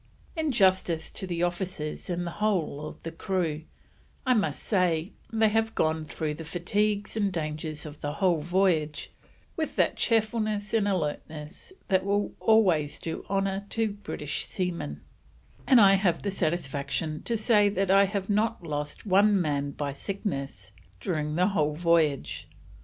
In justice to the officers and the whole of the crew, I must say, they have gone through the fatigues and dangers of the Whole Voyage with that cheerfulness and alertness that will always do honour to the British Seamen, and I have the satisfaction to say that I have not lost one man by Sickness during the whole Voyage.